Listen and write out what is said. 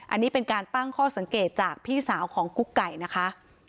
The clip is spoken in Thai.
อันนี้เป็นการตั้งข้อสังเกตจากพี่สาวของกุ๊กไก่นะคะ